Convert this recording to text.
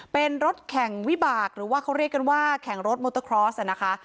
เป็นรถแข่งวิบากหรือว่าเขาเรียกกันว่าแข่งรถมอเตอร์คลอสนะคะ